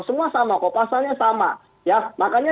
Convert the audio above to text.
semua sama kopasannya sama ya makanya